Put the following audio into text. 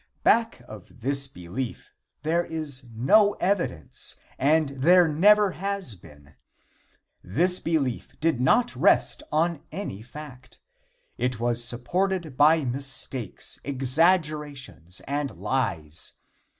Back of this belief there is no evidence, and there never has been. This belief did not rest on any fact. It was supported by mistakes, exaggerations and lies.